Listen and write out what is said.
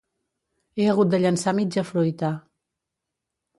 He hagut de llençar mitja fruita.